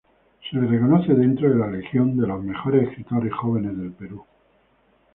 Se le reconoce dentro de la legión de los mejores escritores jóvenes del Perú.